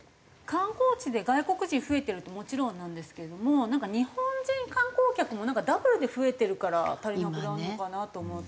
観光地で外国人増えてるってもちろんなんですけれどもなんか日本人観光客もダブルで増えてるから足りなくなるのかなと思って。